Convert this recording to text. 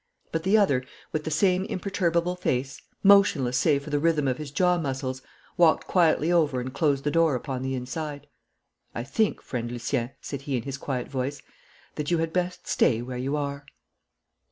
But the other, with the same imperturbable face, motionless save for the rhythm of his jaw muscles, walked quietly over and closed the door upon the inside. 'I think, friend Lucien,' said he in his quiet voice, 'that you had best stay where you are.'